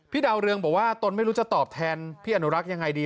ดาวเรืองบอกว่าตนไม่รู้จะตอบแทนพี่อนุรักษ์ยังไงดี